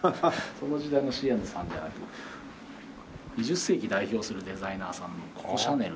その時代のＣＡさんではなく２０世紀を代表するデザイナーさんのココ・シャネル。